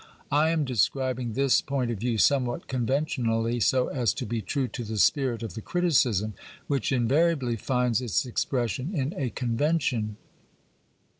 I am describing this point of view somewhat conventionally, so as to be true to the spirit of the criticism, which in 1 Letter LXIX. xxxvi BIOGRAPHICAL AND variably finds its expression in a convention.